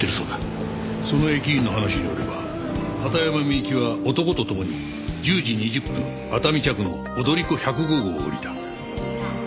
その駅員の話によれば片山みゆきは男と共に１０時２０分熱海着の踊り子１０５号を降りた。